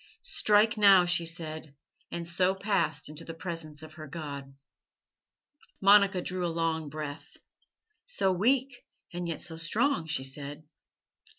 "'Strike now,' she said, and so passed into the presence of her God." Monica drew a long breath. "So weak and yet so strong," she said.